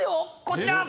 こちら。